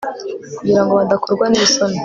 kugira ngo badakorwa n isoni